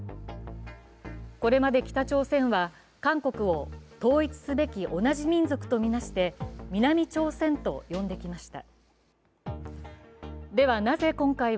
これまで北朝鮮は、韓国を統一すべき同じ民族と見なして南朝鮮と呼んできました。